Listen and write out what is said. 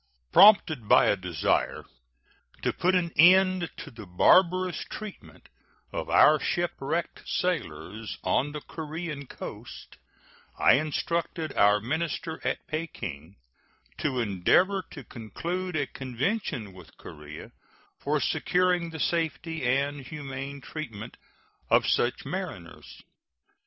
Prompted by a desire to put an end to the barbarous treatment of our shipwrecked sailors on the Korean coast, I instructed our minister at Peking to endeavor to conclude a convention with Korea for securing the safety and humane treatment of such mariners.